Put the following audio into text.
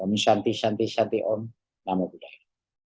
om syanti syanti syanti om namo buddhaya